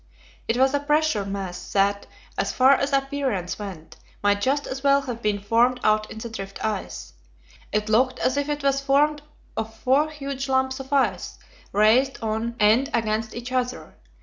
It was a pressure mass that, as far as appearance went, might just as well have been formed out in the drift ice. It looked as if it was formed of four huge lumps of ice raised on end against each other.